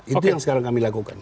itu yang sekarang kami lakukan